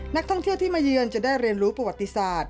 นักท่องเที่ยวที่มาเยือนจะได้เรียนรู้ประวัติศาสตร์